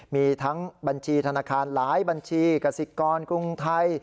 มีทั้งบัญชีธนาคารหลายบัญชีกสิกรกรุงไทย